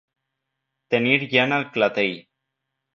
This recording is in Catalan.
Tenir llana al clatell.